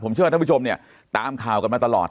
เชื่อว่าท่านผู้ชมเนี่ยตามข่าวกันมาตลอด